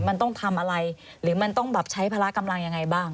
มันต้องทำอะไรหรือใช้พระราชกำลังยังไงบ้าง